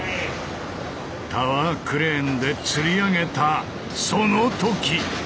タワークレーンでつり上げたその時！